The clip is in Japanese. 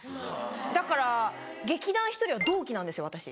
だから劇団ひとりは同期なんですよ私。